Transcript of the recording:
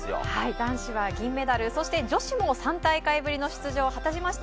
男子は銀メダル、そして女子も３大会ぶりの出場を果たしました。